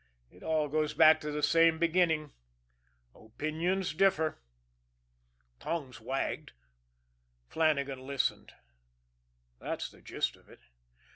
It all goes back to the same beginning opinions differ. Tongues wagged; Flannagan listened that's the gist of it.